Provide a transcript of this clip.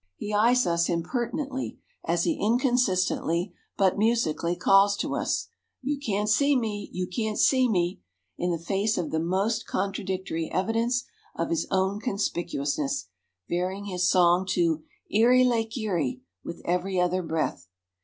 He eyes us impertinently as he inconsistently but musically calls to us, "You can't see me, You can't see me," in the face of the most contradictory evidence of his own conspicuousness, varying his song to "Erie lake Erie," with every other breath.